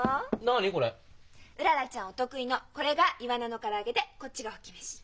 うららちゃんお得意のこれがイワナのからあげでこっちがホッキ飯。